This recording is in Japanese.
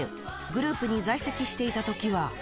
グループに在籍していたときは。